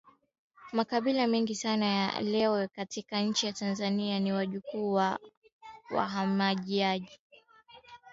Makabila mengi sana ya leo katika nchi ya Tanzania ni wajukuu wa wahamiaji hao